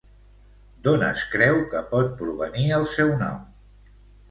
D'on es creu que pot provenir el seu nom?